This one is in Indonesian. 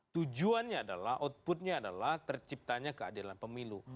tujuannya adalah outputnya adalah terciptanya keadilan pemilu